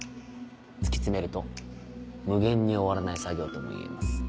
突き詰めると無限に終わらない作業ともいえます。